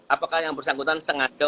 apakah yang bersangkutan sengaja